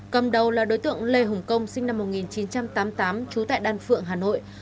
cầm đầu là đối tượng lê hùng công sinh năm một nghìn chín trăm tám mươi tám trú tại đan phượng hà nội